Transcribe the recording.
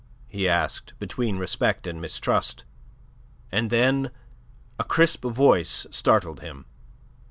he asked, between respect and mistrust. And then a crisp voice startled him.